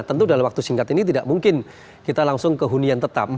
tentu dalam waktu singkat ini tidak mungkin kita langsung ke hunian tetap